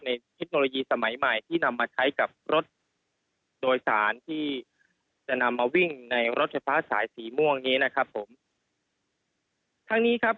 เทคโนโลยีสมัยใหม่ที่นำมาใช้กับรถโดยสารที่จะนำมาวิ่งในรถไฟฟ้าสายสีม่วงนี้นะครับผมทั้งนี้ครับ